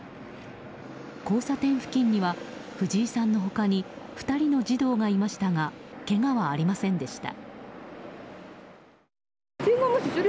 交差点付近には藤井さんの他に２人の児童がいましたがけがはありませんでした。